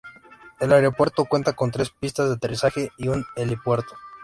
El aeropuerto cuenta con tres pistas de aterrizaje y un helipuerto.